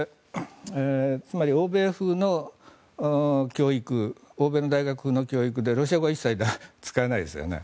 つまり、欧米風の教育欧米の大学の教育でロシア語は一切使わないですよね。